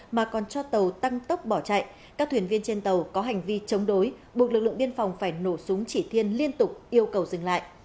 mà còn cho tàu tăng tốc bỏ chạy các thuyền viên trên tàu có hành vi chống đối buộc lực lượng biên phòng phải nổ súng chỉ thiên liên tục yêu cầu dừng lại